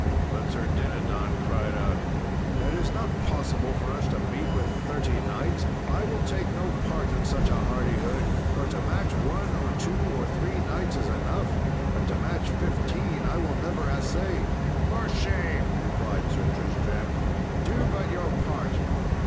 But Sir Dinadan cried out, "It is not possible for us to meet with thirty knights! I will take no part in such a hardihood, for to match one or two or three knights is enough; but to match fifteen I will never assay." "For shame," replied Sir Tristram, "do but your part."